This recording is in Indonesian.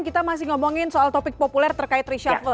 kita masih ngomongin soal topik populer terkait reshuffle